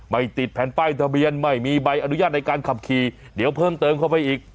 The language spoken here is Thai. ติดแผ่นป้ายทะเบียนไม่มีใบอนุญาตในการขับขี่เดี๋ยวเพิ่มเติมเข้าไปอีก